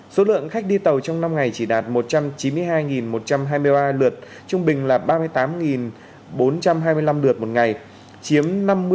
số lượng khách đi tàu trong năm ngày chỉ đạt một trăm chín mươi hai một trăm hai mươi ba lượt trung bình là ba mươi tám bốn trăm hai mươi năm lượt một ngày chiếm năm mươi